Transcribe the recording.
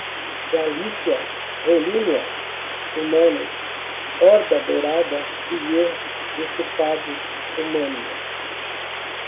Galícia-Volínia, cumanos, Horda Dourada, pilhou, principados, Cumânia